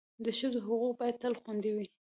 د ښځو حقوق باید تل خوندي وي.